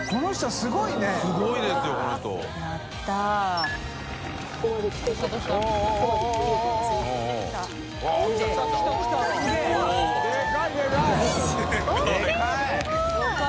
すごい